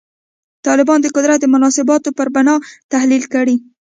طالبان د قدرت د مناسباتو پر بنا تحلیل کړي.